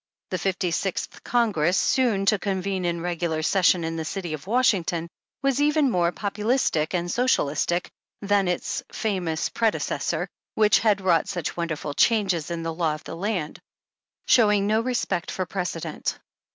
The Fifty sixth Congress soon to convene in regular session in the city of Washington, was even more Populistic and Socialistic than its famous predeces sor, which had wrought such wonderful changes in the law of the land, showing no respect for precedent.